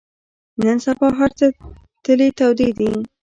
نن سبا هر څه تلې تودې دي.